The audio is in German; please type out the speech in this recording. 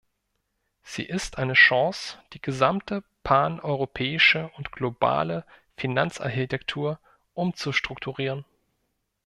Sie ist eine Chance, die gesamte paneuropäische und globale Finanzarchitektur umzustrukturieren.